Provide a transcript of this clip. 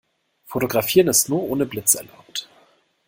Fotografieren ist nur ohne Blitz erlaubt.